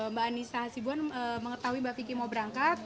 mbak andisa hasibun mengetahui mbak vicky mau berangkat